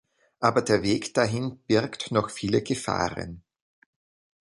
Aber der Weg dahin birgt noch viele Gefahren.